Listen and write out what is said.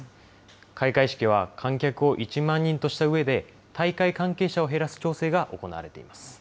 開会式は観客を１万人としたうえで、大会関係者を減らす調整が行われています。